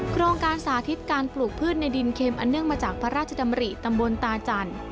โครงการสาธิตการปลูกพืชในดินเข็มอันเนื่องมาจากพระราชดำริตำบลตาจันทร์